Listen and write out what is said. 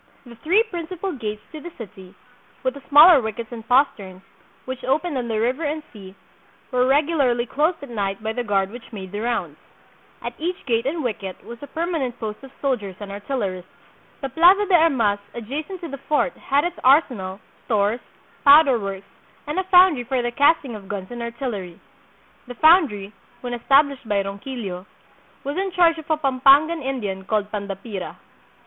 The three principal gates to the city, with the smaller wickets and posterns, which opened on the river and sea, were regularly closed at night by the guard which made the rounds. At each gate and wicket was a permanent post of soldiers and artillerists. The Plaza de Armas adjacent to the fort had its ar senal, stores, powder works, and a foundry for the cast ing of guns and artillery. The foundry, when established by Ronquillo, was in charge of a Pampangan Indian called Pandapira.